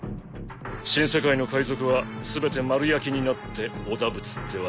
新世界の海賊は全て丸焼きになっておだぶつってわけだ。